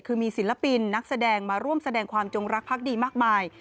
คือมีศิลปินนักแสดงมาร่วมแสดงความจงรักพักดีมากมาย